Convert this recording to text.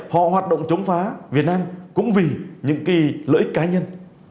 họ hoạt động chống phá việt nam cũng vì những cái lợi ích cá nhân